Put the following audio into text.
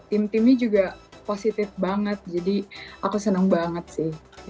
tim timnya juga positif banget jadi aku seneng banget sih